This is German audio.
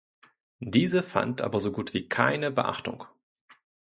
Diese fand aber so gut wie keine Beachtung.